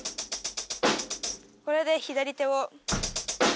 これで左手を。